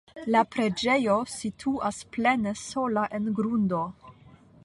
La preĝejo situas plene sola en grundo.